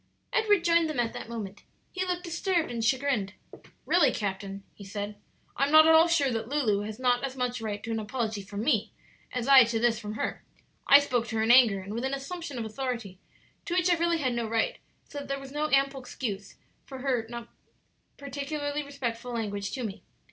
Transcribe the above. Edward joined them at that moment. He looked disturbed and chagrined. "Really, captain," he said, "I am not at all sure that Lulu has not as much right to an apology from me as I to this from her. I spoke to her in anger, and with an assumption of authority to which I really had no right, so that there was ample excuse for her not particularly respectful language to me.